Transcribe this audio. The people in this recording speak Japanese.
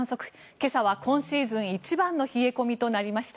今朝は今シーズン一番の冷え込みとなりました。